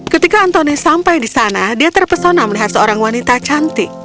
ketika anthony sampai di sana dia terpesona melihat seorang wanita cantik